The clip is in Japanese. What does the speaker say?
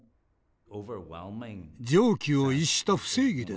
常軌を逸した不正義です。